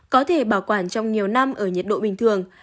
có thể bảo quản trong nhiều năm ở nhiệt độ bình thường